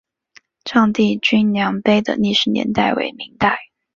丈地均粮碑的历史年代为明代。